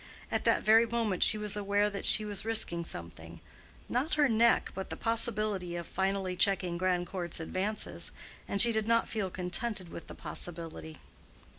At that very moment she was aware that she was risking something—not her neck, but the possibility of finally checking Grandcourt's advances, and she did not feel contented with the possibility.